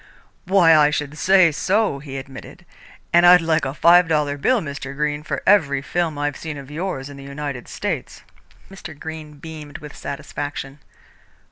"Why, I should say so," he admitted, "and I'd like a five dollar bill, Mr. Greene, for every film I've seen of yours in the United States." Mr. Greene beamed with satisfaction.